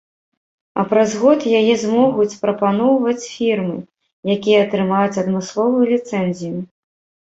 А праз год яе змогуць прапаноўваць фірмы, якія атрымаюць адмысловую ліцэнзію.